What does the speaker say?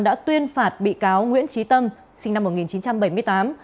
đã tuyên phạt bị cáo nguyễn trí tâm sinh năm một nghìn chín trăm bảy mươi tám